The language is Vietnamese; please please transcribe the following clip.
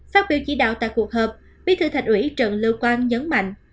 phát biểu chỉ đạo tại cuộc hợp bí thư thạch ủy trần lưu quang nhấn mạnh